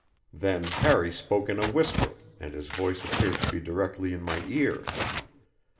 Then Harry spoke in a whisper, and his voice appeared to be directly in my ear.